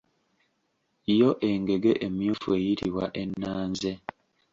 Yo engege emmyufu eyitibwa ennanze.